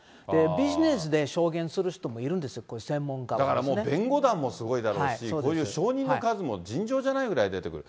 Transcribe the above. ビジネスで証言する人もいるんですよ、こういう専門家なんかだからもう、弁護団もすごいだろうし、こういう証人の数も尋常じゃないぐらい出てくる。